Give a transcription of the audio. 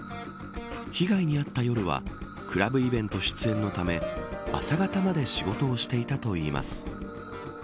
被害に遭った夜はクラブイベント出演のため朝方まで仕事をしていたといいます。